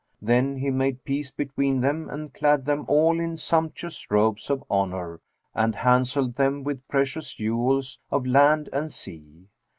Then he made peace between them and clad them all in sumptuous robes of honour and hanselled them with precious jewels of land and sea.